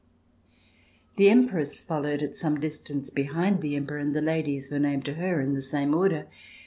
The Empress followed at some distance behind the Emperor and the ladies were named to her in the same order.